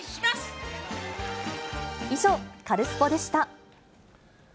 以上、カルスポっ！でした。